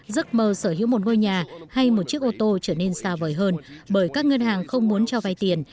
giấc mơ sở hữu một ngôi nhà hay một chiếc ô tô trở nên xa vời hơn bởi các ngân hàng không muốn cho vay nợ sinh viên